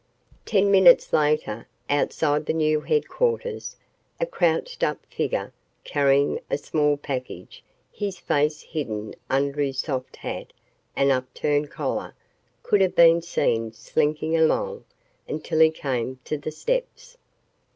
Ten minutes later, outside the new headquarters, a crouched up figure, carrying a small package, his face hidden under his soft hat and up turned collar, could have been seen slinking along until he came to the steps.